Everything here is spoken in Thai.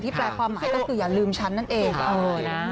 แปลความหมายก็คืออย่าลืมฉันนั่นเอง